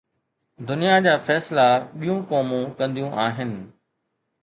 دنيا جا فيصلا ٻيون قومون ڪنديون آهن.